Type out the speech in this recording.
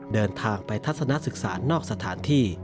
เดินทางไปทัศนศึกษานอกสถานที่